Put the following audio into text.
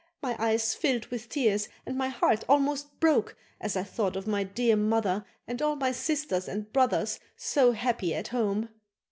My eyes filled with tears and my heart almost broke as I thought of my dear mother and all my sisters and brothers so happy at home.